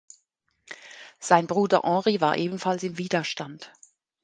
Sein Bruder Henri war ebenfalls im Widerstand.